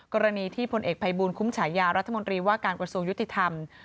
กรณีที่พลเอกภัยบูลคุ้มฉายารัฐมนตรีว่าการกระทรวงยุติธรรม